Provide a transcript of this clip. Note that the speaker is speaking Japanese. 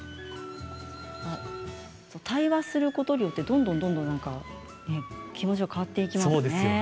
対話することによってどんどん気持ちが変わっていきますね。